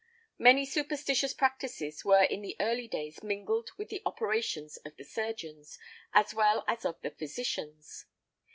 Many superstitious practices were in the early days mingled with the operations of the surgeons, as well as of the physicians.